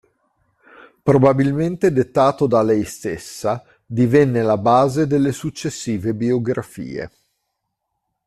Probabilmente dettato da lei stessa, divenne la base delle successive biografie.